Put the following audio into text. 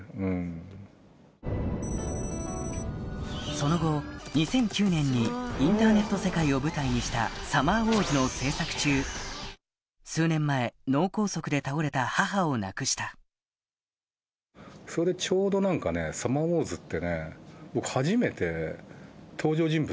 その後２００９年にインターネット世界を舞台にした『サマーウォーズ』の制作中数年前脳梗塞で倒れた母を亡くした『サマーウォーズ』実は。